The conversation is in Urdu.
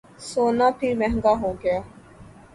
سونا پھر مہنگا ہوگیا